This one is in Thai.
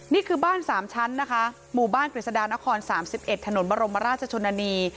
นี่คือบ้าน๓ชั้นนะคะหมู่บ้านกฤษฎานคร๓๑ถนนบรมราชชนนานี